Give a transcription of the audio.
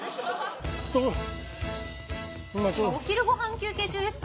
お昼ごはん休憩中ですか？